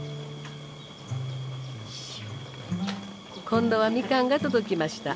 今度はみかんが届きました。